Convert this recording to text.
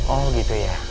oh gitu ya